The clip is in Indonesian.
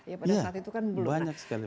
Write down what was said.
iya banyak sekali